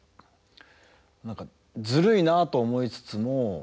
何かずるいなと思いつつも。